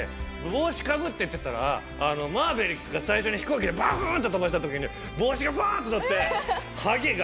帽子かぶって行ってたらマーヴェリックが最初に飛行機でバフーンって飛ばした時に帽子がファーッてなって。